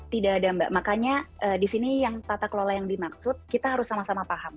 tidak ada mbak makanya di sini yang tata kelola yang dimaksud kita harus sama sama paham